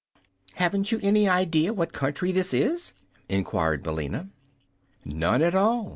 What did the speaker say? "Haven't you any idea what country this is?" inquired Billina. "None at all.